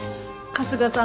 春日さん！